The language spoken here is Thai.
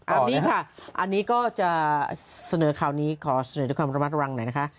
อันนี้ค่ะอันนี้ก็จะเสนอข่าวนี้ขอเสนอด้วยความระมัดระวังหน่อยนะคะ